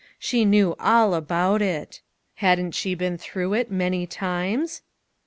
She knew all about it ! Hadn't she been through it many times ?